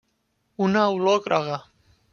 Una olor groga.